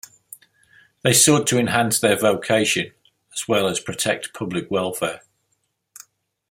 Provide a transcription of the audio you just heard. They sought to enhance their vocation, as well as protect public welfare.